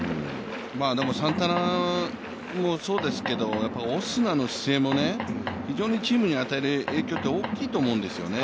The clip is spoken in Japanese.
でもサンタナもそうですけど、オスナの姿勢も、非常にチームに与える影響って大きいと思うんですね。